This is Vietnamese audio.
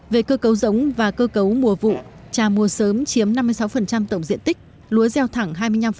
về cơ cấu giống và cơ cấu mùa vụ trà mùa sớm chiếm năm mươi sáu tổng diện tích lúa gieo thẳng hai mươi năm